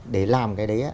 để làm cái đấy